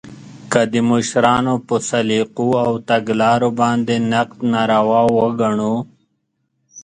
که د مشرانو په سلیقو او تګلارو باندې نقد ناروا وګڼو